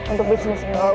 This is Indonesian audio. untuk bisnis ini